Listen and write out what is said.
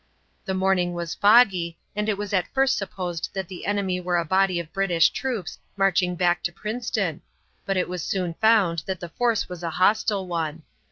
The morning was foggy, and it was at first supposed that the enemy were a body of British troops marching back to Princeton, but it was soon found that the force was a hostile one.